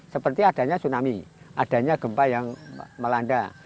seperti adanya tsunami adanya gempa yang melanda